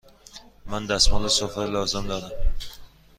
من دستمال سفره لازم دارم.